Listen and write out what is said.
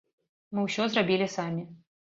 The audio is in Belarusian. Мы ўсё зрабілі самі.